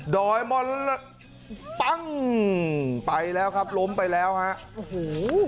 ดอยมรปั้งไปแล้วครับล้มไปแล้วฮะโอ้โห